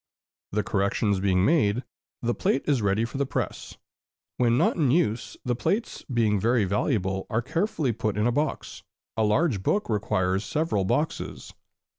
The corrections being made, the plate is ready for the press. When not in use, the plates, being very valuable, are carefully put in a box, a large book requiring several boxes.